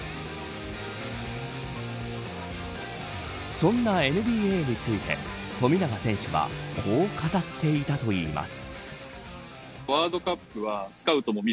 そんなＮＢＡについて富永選手はこう語っていたといいます。